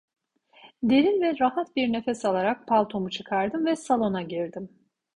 Derin ve rahat bir nefes alarak paltomu çıkardım ve salona girdim.